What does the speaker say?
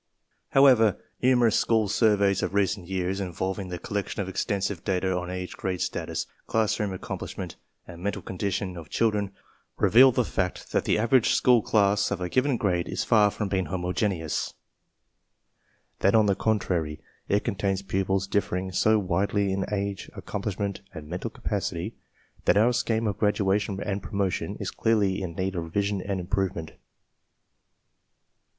However, numerous school surveys of recent years, involving the collection of extensive data on age grade status, class room accomplishment, and mental condition of chil dren, reveal the fact that the average school class of a given grade is far from being homogeneous; that, on the contrary, it contains pupils differing so widely in age, accomplishment, and mental capacity that our 32 ~ CLASSIFICATION BY MENTAL ABILITY 33 sq heme o f gradation and promotion is clearly in need of jggiainn a nJ improvement.